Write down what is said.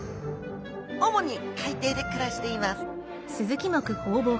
主に海底で暮らしています